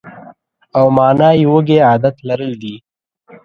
او مانا یې وږی عادت لرل دي.